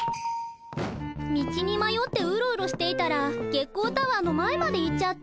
道にまよってウロウロしていたら月光タワーの前まで行っちゃった。